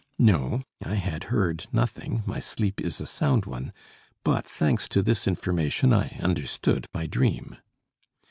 No, I had heard nothing, my sleep is a sound one, but thanks to this information I understood my dream.